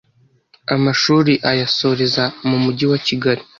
amashuri ayasoreza mu Mujyi wa Kigali